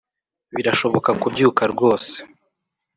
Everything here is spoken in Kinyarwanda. birashoboka kubyuka rwose